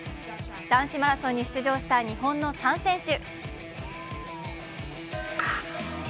男子マラソンに出場した日本の３選手。